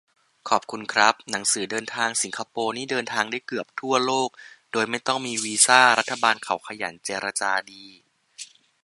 ขอบคุณครับ หนังสือเดินทางสิงคโปร์นี่เดินทางได้เกือบทั่วโลกโดยไม่ต้องมีวีซ่า รัฐบาลเขาขยันเจรจาดี